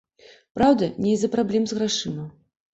Праўда, не з-за праблем з грашыма.